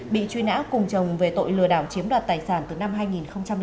bị truy nã cùng chồng về tội lừa đảo chiếm đoạt tài sản từ năm hai nghìn hai